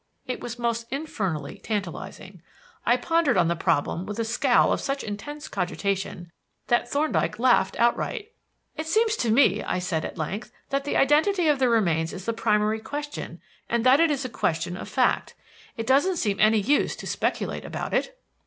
It was most infernally tantalizing. I pondered on the problem with a scowl of such intense cogitation that Thorndyke laughed outright. "It seems to me," I said, at length, "that the identity of the remains is the primary question and that it is a question of fact. It doesn't seem any use to speculate about it."